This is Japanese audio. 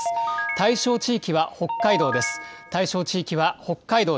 対象地域は北海道です。